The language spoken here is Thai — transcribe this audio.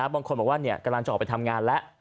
บางคนบอกว่ากำลังจะออกไปทำงานแล้ว